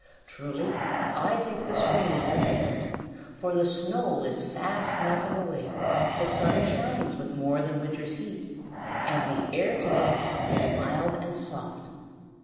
Truly, I think the spring is at hand; for the snow is fast melting away, the sun shines with more than winter's heat, and the air to day is mild and soft."